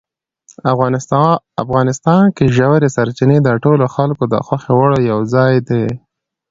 افغانستان کې ژورې سرچینې د ټولو خلکو د خوښې وړ یو ځای دی.